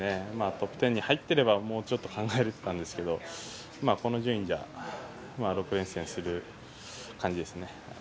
トップ１０に入っていればもうちょっと考えたんですけどこの順位じゃ６連戦する感じですね。